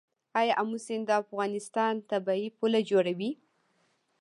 آیا امو سیند د افغانستان طبیعي پوله جوړوي؟